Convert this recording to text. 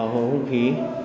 hồ hùng khí